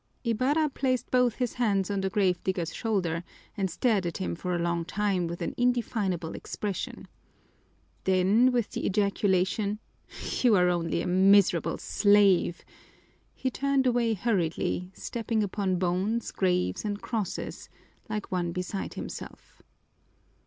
Ibarra placed both his hands on the grave digger's shoulders and stared at him for a long time with an indefinable expression. Then, with the ejaculation, "You are only a miserable slave!" he turned away hurriedly, stepping upon bones, graves, and crosses, like one beside himself.